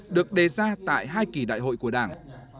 được đề ra tại hai kỳ đại hội của đảng